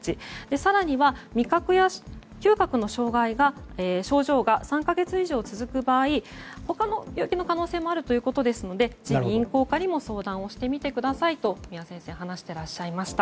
更には味覚や嗅覚の障害の症状が３か月以上続く場合他の病気の可能性もあるということで耳鼻咽喉科にも相談をしてみてくださいと三輪先生話していらっしゃいました。